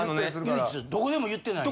唯一どこでも言ってない？